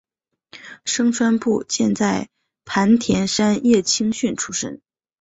牲川步见在磐田山叶青训出身。